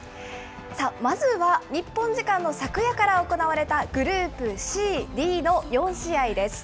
まずは、日本時間の昨夜から行われたグループＣ、Ｄの４試合です。